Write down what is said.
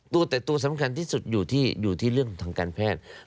ตัวแต่ตัวสำคัญที่สุดอยู่ที่เรื่องทางการแพทย์